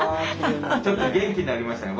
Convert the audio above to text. ちょっと元気になりましたね。